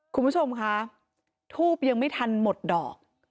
คุณผู้ชมคะทูบยังไม่ทันหมดดอก